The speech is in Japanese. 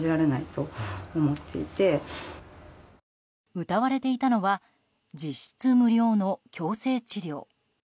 うたわれていたのは実質無料の矯正治療。